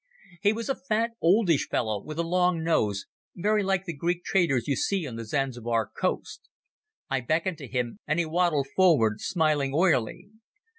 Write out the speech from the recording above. He was a fat, oldish fellow with a long nose, very like the Greek traders you see on the Zanzibar coast. I beckoned to him and he waddled forward, smiling oilily.